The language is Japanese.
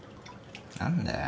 何だよ。